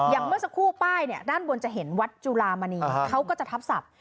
เมื่อสักครู่ป้ายเนี่ยด้านบนจะเห็นวัดจุลามณีเขาก็จะทับศัพท์